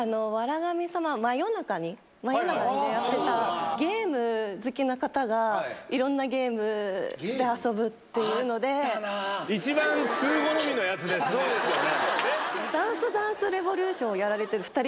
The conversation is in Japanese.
神様、真夜中にやってた、ゲーム好きな方がいろんなゲームで遊ぶってい一番、通好みのやつですね。